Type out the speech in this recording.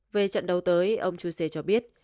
về trận đấu tới ông chuse cho biết